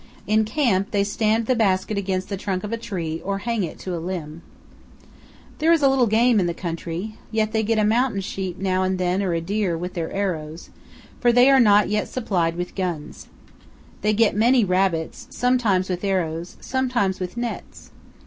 In camp, they stand the basket against the trunk of a tree or hang it to a limb. There is little game in the country, yet they get a mountain sheep now and then or a deer, with their arrows, for they are not yet supplied with guns. They get many rabbits, sometimes with arrows, sometimes with nets.